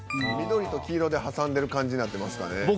緑と黄色で挟んでる感じになってますかね。